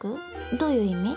どういう意味？